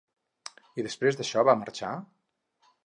I després d'això va marxar?